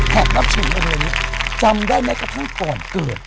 แผดรับฉุนอันนี้จำได้ไหมกระทั่งก่อนเกิด